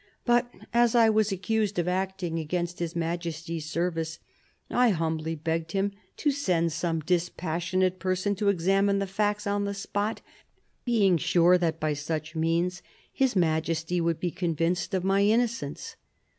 ... But as I was accused of acting against His Majesty's service, I humbly begged him to send some dispassionate person to examine the facts on the spot, being sure that by such means His Majesty would be convinced of my innocence."